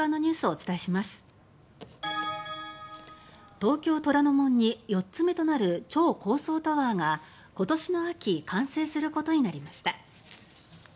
東京・虎ノ門に４つ目となる超高層タワーが今年の秋完成することになりました。